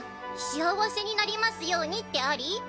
幸せになりますようにってあり？